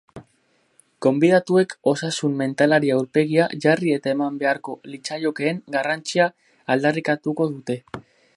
Gonbidatuek osasun mentalari aurpegia jarri eta eman beharko litzaiokeen garrantzia aldarrikatuko dute.